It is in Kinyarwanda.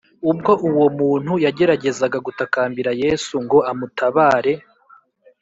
ubwo uwo muntu yageragezaga gutakambira yesu ngo amutabare